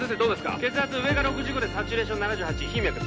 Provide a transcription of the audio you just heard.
血圧上が６５でサチュレーション７８頻脈です